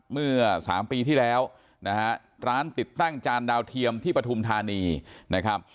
เมื่อสามปีที่แล้วนะฮะร้านติดตั้งจานดาวเทียมที่ปฐุมธานีนะครับ